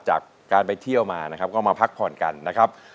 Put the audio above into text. จากการไปเที่ยวมานะครับก็มาพักผ่อนกันนะครับ